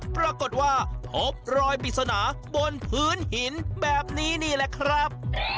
ปรากฏว่าพบรอยปริศนาบนพื้นหินแบบนี้นี่แหละครับ